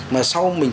mà sau mình